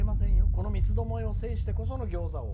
この三つどもえを制してこその餃子王。